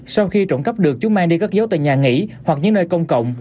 sau khi trộm cắp được chúng mang đi các dấu tài nhà nghỉ hoặc những nơi công cộng